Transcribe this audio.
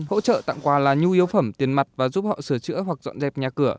hỗ trợ tặng quà là nhu yếu phẩm tiền mặt và giúp họ sửa chữa hoặc dọn dẹp nhà cửa